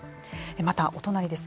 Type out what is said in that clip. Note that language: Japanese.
またお隣です。